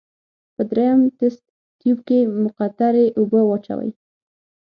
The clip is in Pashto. په دریم تست تیوب کې مقطرې اوبه واچوئ.